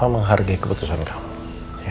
aku sudah nampak sejauh dingin kamu siapkan damainya